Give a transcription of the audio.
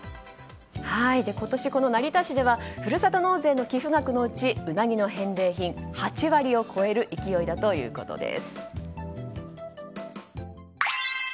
今年この成田市ではふるさと納税の寄付額のうちウナギの返礼品、８割を超える勢いだということです。